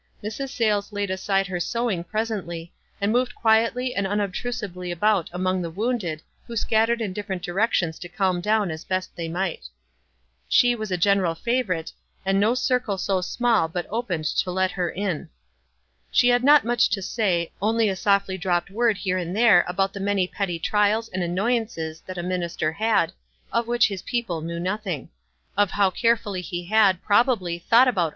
Mrs. Sayles laid aside her sewing presently, and moved quietly and unobtrusively about among the wounded, who scattered in different directions to calm down as best they might. She was a general favorite, and no circle so small but opened to let her in. She had not much to say, only a softly dropped word here and there about the many petty trials and annoyances that a minister had, of which his people knew nothing ; of how carefully he had, probably, thought about 54 WISE AND OTHERWISE.